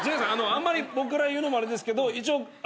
あんまり僕から言うのもあれですけど一応。